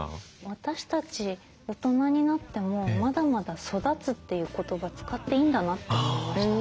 私たち大人になってもまだまだ「育つ」という言葉使っていいんだなって思いました。